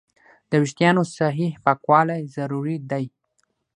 د وېښتیانو صحیح پاکوالی ضروري دی.